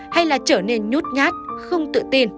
hay là trở nên nhút nhát không tự tin